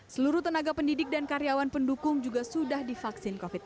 seluruh tenaga pendidik dan karyawan pendukung juga sudah divaksin covid sembilan belas